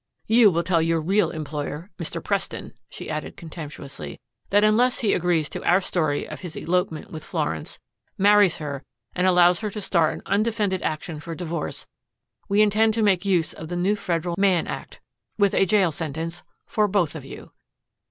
"You will tell your real employer, Mr. Preston," she added contemptuously, "that unless he agrees to our story of his elopement with Florence, marries her, and allows her to start an undefended action for divorce, we intend to make use of the new federal Mann Act with a jail sentence for both of you."